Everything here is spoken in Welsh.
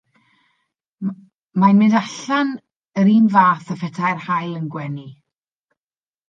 Mae'n mynd allan yr un fath â phetai'r haul yn gwenu.